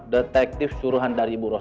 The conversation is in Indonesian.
detektif suruhan dari tiongkok